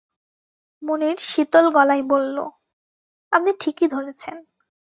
মুনির শীতল গলায় বলল, আপনি ঠিকই ধরেছেন।